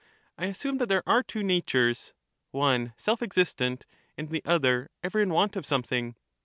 I assume that there are two natures, one self existent, and the other ever in want of something.